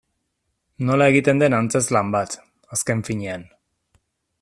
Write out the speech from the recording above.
Nola egiten den antzezlan bat, azken finean.